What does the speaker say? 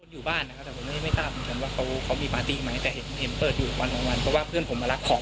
อยู่บ้านไม่ตามว่าเขามีปาร์ตี้ไหมแต่เห็นเพื่อนผมมารับของ